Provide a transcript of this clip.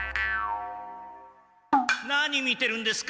何見てるんですか？